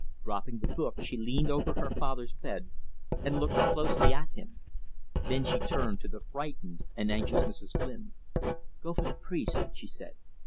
Dropping the book, she leaned over her father's bed and looked closely at him. Then she turned to the frightened and anxious Mrs. Flynn. "Go for the priest," she said.